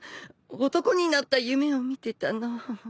男になった夢を見てたの。